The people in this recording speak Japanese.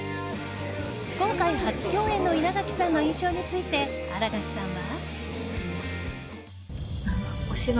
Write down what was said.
今回初共演の稲垣さんの印象について新垣さんは。